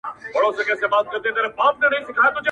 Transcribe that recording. د وصال شېبه!